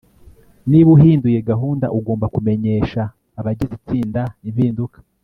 niba uhinduye gahunda, ugomba kumenyesha abagize itsinda impinduka